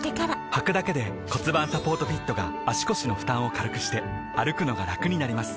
はくだけで骨盤サポートフィットが腰の負担を軽くして歩くのがラクになります